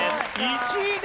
１位で！？